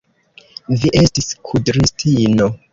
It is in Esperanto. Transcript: Vi estis kudristino!